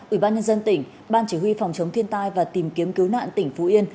ủy ban nhân dân tỉnh ban chỉ huy phòng chống thiên tai và tìm kiếm cứu nạn tỉnh phú yên